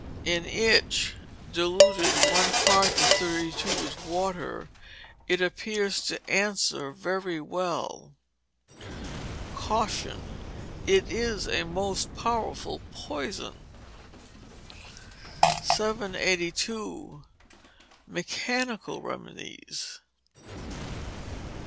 In itch, diluted (one part to thirty two) with water, it appears to answer very well. Caution. It is a most powerful poison. 782. Mechanical Remedies.